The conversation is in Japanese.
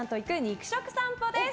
肉食さんぽです。